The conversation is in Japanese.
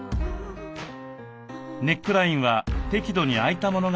ネックラインは適度に開いたものが似合います。